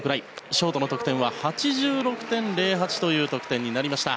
ショートの得点は８６．０８となりました。